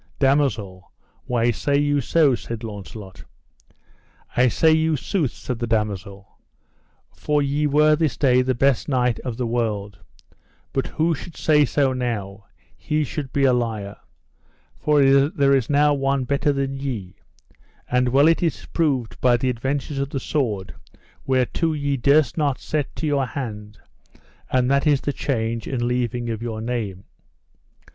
Damosel, why say you so? said Launcelot. I say you sooth, said the damosel, for ye were this day the best knight of the world, but who should say so now, he should be a liar, for there is now one better than ye, and well it is proved by the adventures of the sword whereto ye durst not set to your hand; and that is the change and leaving of your name.